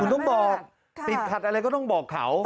ต้องบอกติดขัดอะไรก็ต้องบอกเขา